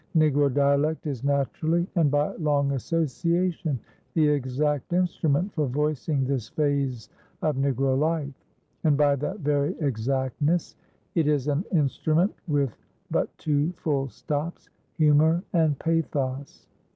Negro dialect is naturally and by long association the exact instrument for voicing this phase of Negro life; and by that very exactness it is an instrument with but two full stops, humor and pathos.